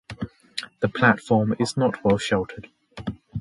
The platform is not well sheltered.